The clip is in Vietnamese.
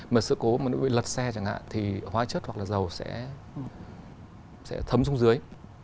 mà sự cố mà nó bị lật xe chẳng hạn thì hóa chất hoặc là dầu sẽ thấm xuống dưới